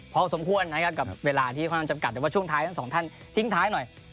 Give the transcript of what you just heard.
พอสมควรนะครับกับเวลาที่ค่อนข้างจำกัดแต่ว่าช่วงท้ายทั้งสองท่านทิ้งท้ายหน่อย